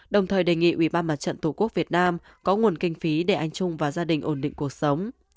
đồng thời đề nghị ubnd tổ quốc việt nam có nguồn kinh phí để anh trung và gia đình ổn định cuộc sống